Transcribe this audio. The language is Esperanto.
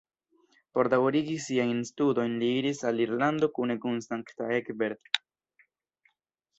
Por daŭrigi siajn studojn, li iris al Irlando kune kun Sankta Egbert.